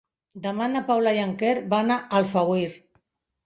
Demà na Paula i en Quer van a Alfauir.